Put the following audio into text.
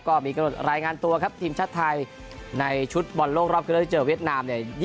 ก็มีกระโดดรายงานตัวครับทีมชาติไทยในชุดบอลโลกรอบเกลือเจอเวียดนามเนี่ย